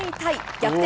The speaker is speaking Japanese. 逆転